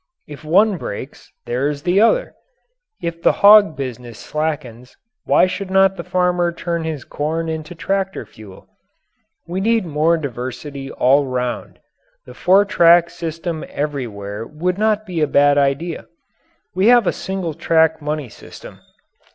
If one breaks, there is the other. If the hog business slackens, why should not the farmer turn his corn into tractor fuel? We need more diversity all round. The four track system everywhere would not be a bad idea. We have a single track money system.